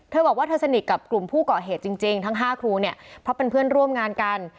บอกว่าเธอสนิทกับกลุ่มผู้ก่อเหตุจริงทั้ง๕ครูเนี่ยเพราะเป็นเพื่อนร่วมงานกัน